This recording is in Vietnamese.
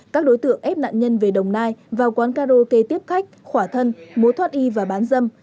các đối tượng ép nạn nhân về đồng nai vào quán karaoke tiếp khách khỏa thân mua thoát y và bán dâm